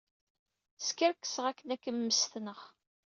Skerkseɣ akken ad kem-mmestneɣ.